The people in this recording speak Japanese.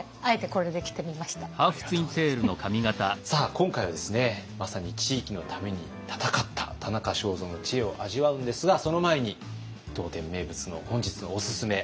今回はですねまさに地域のために闘った田中正造の知恵を味わうんですがその前に当店名物の本日のオススメ。